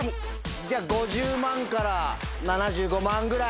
じゃあ５０万から７５万ぐらい。